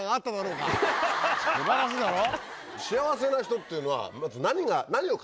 素晴らしいだろ？